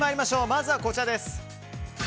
まずはこちらです。